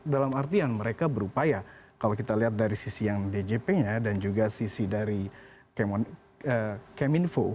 dalam artian mereka berupaya kalau kita lihat dari sisi yang djp nya dan juga sisi dari keminfo